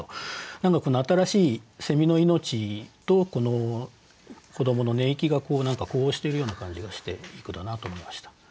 何かこの新しいの命と子どもの寝息が呼応してるような感じがしていい句だなと思いました。